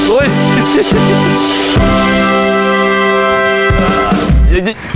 อุ้ย